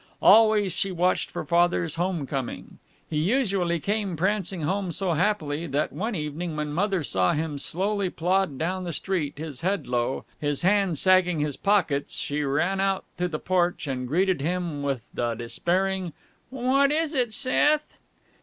Always she watched for Father's home coming. He usually came prancing home so happily that, one evening, when Mother saw him slowly plod down the street, his head low, his hands sagging his pockets, she ran out to the porch and greeted him with a despairing, "What is it, Seth?"